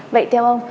vậy theo ông